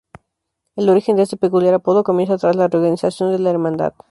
El origen de este peculiar apodo comienza tras la reorganización de la Hermandad.